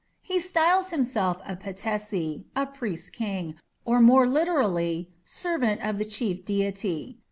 He styles himself a Patesi a "priest king", or more literally, "servant of the chief deity".